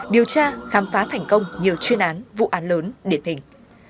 điều tra khám phá thành công nhiều chuyên án vụ án lớn điển hình